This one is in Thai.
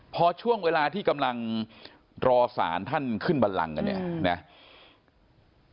พอช่วงเวลาที่กำลังรอสารท่านขึ้นบันลังกันเนี่ยนะ